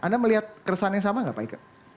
anda melihat keresahan yang sama nggak pak ika